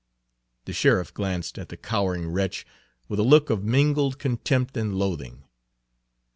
The sheriff glanced at the cowering wretch with a look of mingled contempt and loathing.